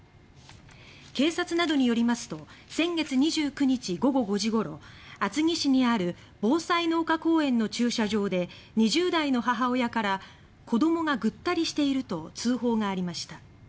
警察などによりますと先月２９日午後５時ごろ厚木市にあるぼうさいの丘公園の駐車場で２０代の母親から「子どもがぐったりしている」と通報がありました。